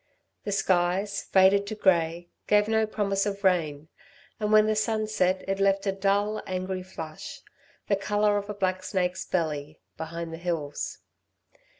The skies, faded to grey, gave no promise of rain, and when the sun set it left a dull, angry flush the colour of a black snake's belly behind the hills.